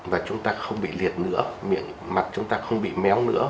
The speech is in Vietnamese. và chúng ta không bị liệt nữa mặt chúng ta không bị méo nữa